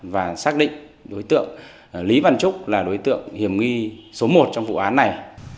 và xác định đối tượng lý văn trúc là đối tượng hiểm nghi số một trong vụ án này